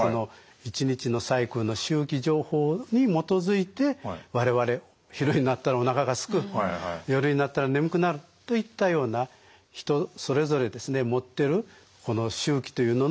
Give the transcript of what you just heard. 一日のサイクルの周期情報に基づいて我々昼になったらおなかがすく夜になったら眠くなるといったような人それぞれ持ってるこの周期というのの根源になってると考えられています。